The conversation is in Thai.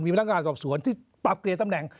มีพนักงานสอบสวนที่ตามเปรียร์ตำแหน่ง